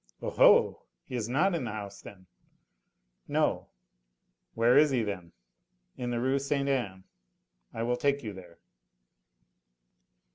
"Oho! He is not in the house, then?" "No." "Where is he, then?" "In the Rue Ste. Anne. I will take you there."